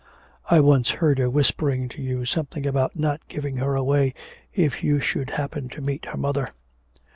'I once heard her whispering to you something about not giving her away if you should happen to meet her mother.'